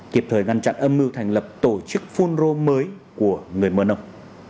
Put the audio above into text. kịp thời ngăn chặn âm mưu thành lập tổ chức funro mới của người mưa nông